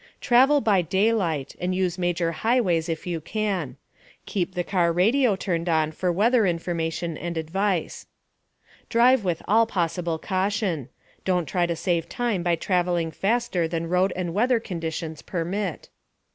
Travel by daylight and use major highways if you can. Keep the car radio turned on for weather information and advice. Drive with all possible caution. Don't try to save time by travelling faster than road and weather conditions permit.